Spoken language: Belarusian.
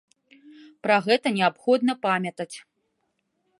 Пра гэта неабходна памятаць.